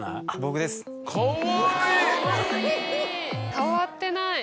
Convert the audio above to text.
変わってない。